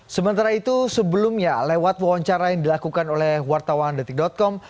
sementara itu sebelumnya lewat wawancara yang dilakukan oleh wartawan detik com